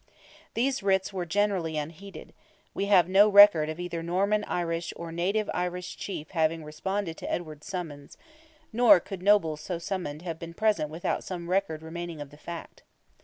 These writs were generally unheeded; we have no record of either Norman Irish or native Irish Chief having responded to Edward's summons, nor could nobles so summoned have been present without some record remaining of the fact.